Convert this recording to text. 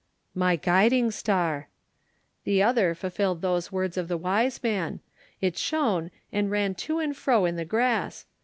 "My guiding star!" "The other fulfilled those words of the Wise Man. It shone and ran to and fro in the grass.